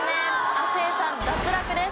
亜生さん脱落です。